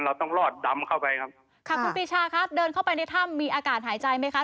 เราต้องรอดดำเข้าไปครับค่ะคุณปีชาครับเดินเข้าไปในถ้ำมีอากาศหายใจไหมคะ